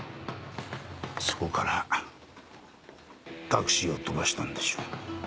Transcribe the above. そこからタクシーをとばしたんでしょう。